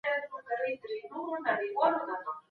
هغه وویل چي پښتون د نړۍ یو رښتینی انسان دی.